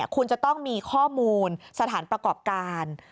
คุณจะต้องมีข้อมูลสถานประกอบการ